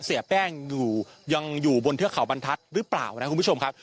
เสียแป้งอยู่ยังอยู่บนเทือกเขาบรรทัศน์หรือเปล่านะคุณผู้ชมครับ